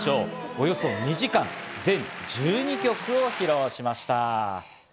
およそ２時間、全１２曲を披露しました。